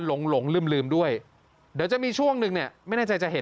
หลงลืมด้วยเดี๋ยวจะมีช่วงนึงเนี่ยไม่น่าใจจะเห็น